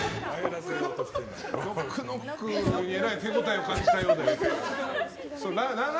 ノックノックに手応えを感じたようですが。